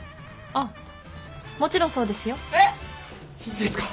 あっもちろんそうですよ。えっ！？いいんですか？